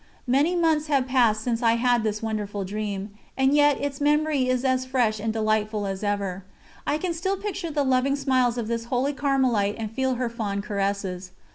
Many months have passed since I had this wonderful dream, and yet its memory is as fresh and delightful as ever. I can still picture the loving smiles of this holy Carmelite and feel her fond caresses.